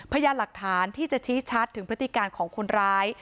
พยายามหลักฐานที่จะชี้ชัดถึงพฤติการของคนร้าย